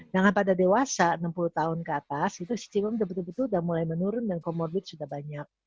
dengan pada dewasa enam puluh tahun ke atas sisi imunnya betul betul sudah mulai menurun dan komorbid sudah banyak